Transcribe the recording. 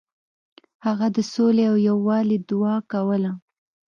هغه د سولې او یووالي دعا کوله.